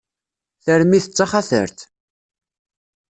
Tarmit d taxatart.